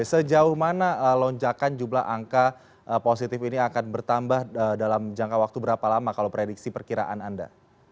sejauh mana lonjakan jumlah angka positif ini akan bertambah dalam jangka waktu berapa lama kalau prediksi perkiraan anda